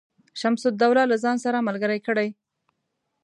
شمس الدوله له ځان سره ملګري کړي.